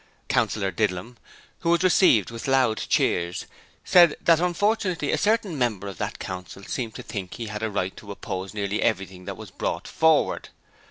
Councillor Didlum, who was received with loud cheers, said that unfortunately a certain member of that Council seemed to think he had a right to oppose nearly everything that was brought forward.